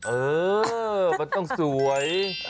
เออมันต้องสวย